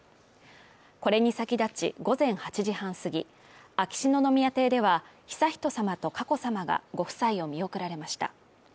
これに先立ち、午前８時半過ぎ、秋篠宮邸では、悠仁さまと佳子さまがご夫妻を見送られました。